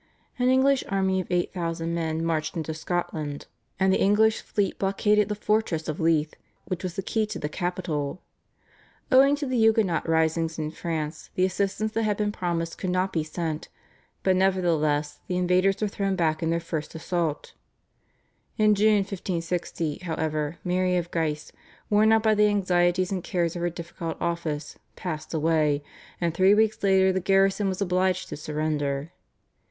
An English army of eight thousand men marched into Scotland, and the English fleet blockaded the fortress of Leith which was the key to the capital. Owing to the Huguenot risings in France the assistance that had been promised could not be sent, but nevertheless the invaders were thrown back in their first assault. In June 1560, however, Mary of Guise, worn out by the anxieties and cares of her difficult office, passed away, and three weeks later the garrison was obliged to surrender.